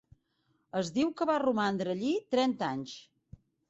Es diu que va romandre allí trenta anys.